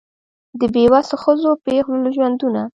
د بېوسو ښځو پېغلو له ژوندونه